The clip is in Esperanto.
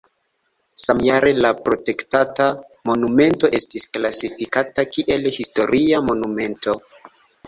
Samjare la protektata monumento estis klasifikata kiel historia monumento.